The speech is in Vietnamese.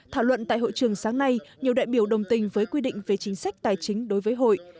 thảo luận tại hội trường sáng nay nhiều đại biểu đồng tình với quy định về chính sách tài chính đối với hội